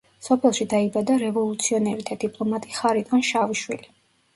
სოფელში დაიბადა რევოლუციონერი და დიპლომატი ხარიტონ შავიშვილი.